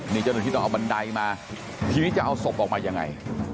นี่เจ้าหน้าที่ต้องเอาบันไดมาทีนี้จะเอาศพออกมายังไง